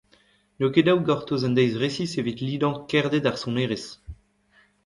N'eo ket dav gortoz un deiz resis evit lidañ kaerded ar sonerezh !